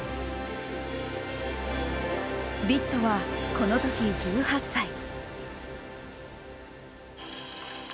ビットはこの時１８歳。